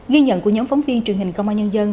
ghi nhận của nhóm phóng viên truyền hình công an nhân dân